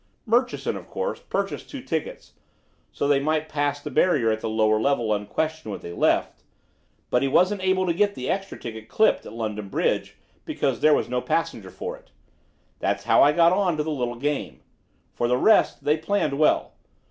"Murchison, of course, purchased two tickets, so that they might pass the barrier at the Low Level unquestioned when they left, but he wasn't able to get the extra ticket clipped at London Bridge because there was no passenger for it. That's how I got on to the little game! For the rest, they planned well.